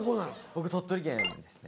僕鳥取県ですね。